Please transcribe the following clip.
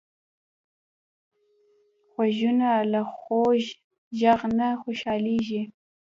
غوږونه له خوږ غږ نه خوشحالېږي